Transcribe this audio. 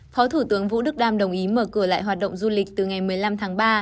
phó thủ tướng vũ đức đam đồng ý mở cửa lại hoạt động du lịch từ ngày một mươi năm tháng ba